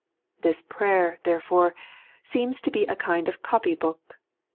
This prayer, therefore, seems to be a kind of copy book.